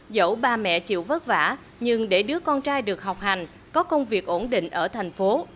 dẫu bà mẹ chịu vất vả nhưng để đứa con trai được học hành có công việc ổn định ở thành phố